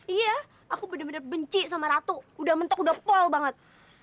iya aku bener bener benci sama ratu udah mentok udah pol banget